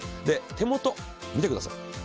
で手元見てください。